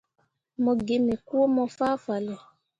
Mo gi me kuumo fah fale.